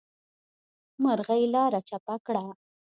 مرغۍ لاره چپه کړه.